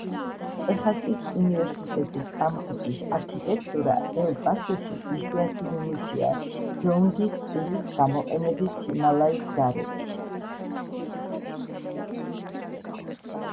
ტეხასის უნივერსიტეტის კამპუსის არქიტექტურა ელ-პასოში იშვიათი ნიმუშია ძონგის სტილის გამოყენების ჰიმალაის გარეთ.